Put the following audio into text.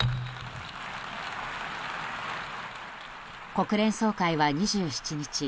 国連総会は２７日